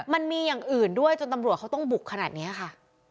มันมีอย่างอื่นด้วยจนตำรวจเขาต้องบุกขนาดนี้ค่ะ